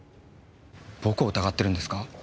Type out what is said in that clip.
僕を疑ってるんですか？